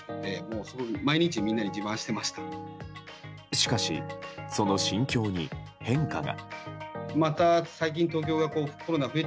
しかし、その心境に変化が。